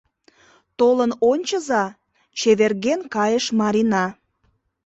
— Толын ончыза... — чеверген кайыш Марина.